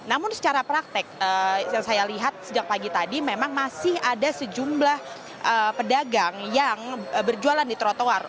namun secara praktek yang saya lihat sejak pagi tadi memang masih ada sejumlah pedagang yang berjualan di trotoar